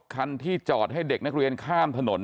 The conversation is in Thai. คันที่จอดให้เด็กนักเรียนข้ามถนน